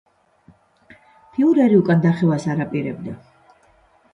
ფიურერი უკან დახევას არ აპირებდა.